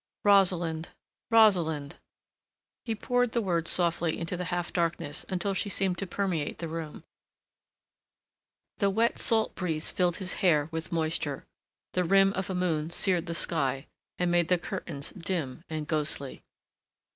"Rosalind! Rosalind!" He poured the words softly into the half darkness until she seemed to permeate the room; the wet salt breeze filled his hair with moisture, the rim of a moon seared the sky and made the curtains dim and ghostly.